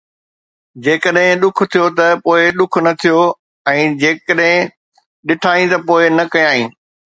جيڪڏهن ڏک ٿيو ته پوءِ ڏک نه ٿيو ۽ جيڪڏهن ڏٺائين ته پوءِ نه ڪيائين